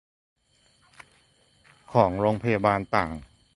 ของโรงพยาบาลต่าง